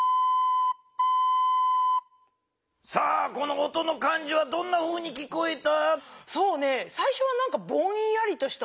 さあこの音の感じはどんなふうに聞こえた？